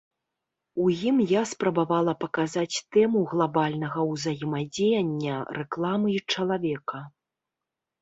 У ім я спрабавала паказаць тэму глабальнага ўзаемадзеяння рэкламы і чалавека.